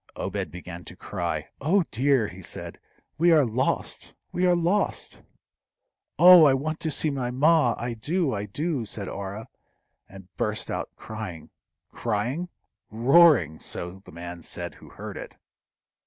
Obed began to cry. "Oh dear!" he said; "we are lost! we are lost!" "Oh, I want to see my ma! I do! I do!" said Orah, and burst out crying. Crying? roaring! so the man said who heard it.